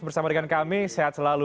bersama dengan kami sehat selalu